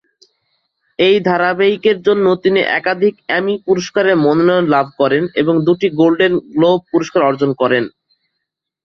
এই ধারাবাহিকের জন্য তিনি একাধিক এমি পুরস্কারের মনোনয়ন লাভ করেন এবং দুটি গোল্ডেন গ্লোব পুরস্কার অর্জন করেন।